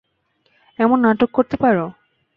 এমন নাটক করতে পারো!